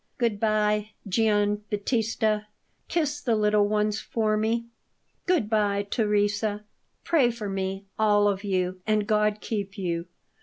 "Good bye, Gian Battista. Kiss the little ones for me. Good bye, Teresa. Pray for me, all of you; and God keep you!